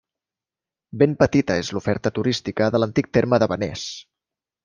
Ben petita és l'oferta turística de l'antic terme de Benés.